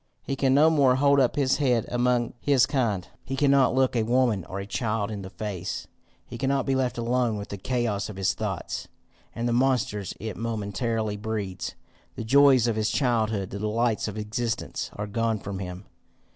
He can no more hold up his head among his kind; he cannot look a woman or a child in the face; he cannot be left alone with the chaos of his thoughts, and the monsters it momently breeds. The joys of his childhood, the delights of existence, are gone from him.